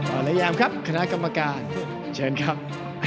เอาละยามครับคณะกรรมการเชิญครับ